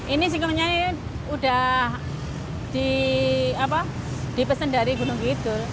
ini sih kemungkinan ini sudah dipesan dari gunung kidul